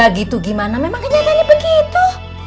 gitu gimana memang kenyataannya begitu